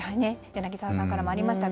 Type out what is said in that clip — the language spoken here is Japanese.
柳澤さんからもありました。